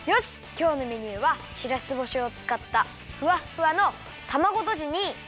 きょうのメニューはしらす干しをつかったふわっふわのたまごとじにきまり！